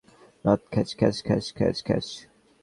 একগাদা মেয়ে থাকলে যা হয়, দিন-রাত ক্যাঁচ- ক্যাঁচ-ক্যাঁচ-ক্যাঁচ।